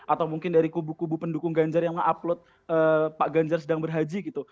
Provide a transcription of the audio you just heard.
atau mungkin dari kubu kubu pendukung ganjar yang mengupload pak ganjar sedang berhaji gitu